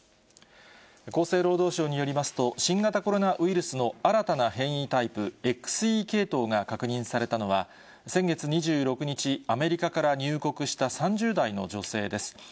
厚生労働省によりますと、新型コロナウイルスの新たな変異タイプ、ＸＥ系統が確認されたのは、先月２６日、アメリカから入国した３０代の女性です。